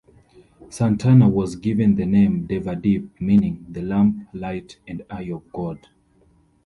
Santana was given the name Devadip, meaning "The lamp, light and eye of God".